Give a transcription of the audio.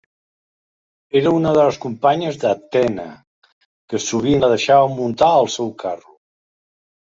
Era una de les companyes d'Atena, que sovint la deixava muntar al seu carro.